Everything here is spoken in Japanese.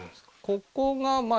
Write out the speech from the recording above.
ここがまあ